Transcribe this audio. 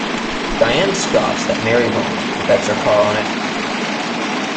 Diane scoffs that Mary won't and bets her car on it.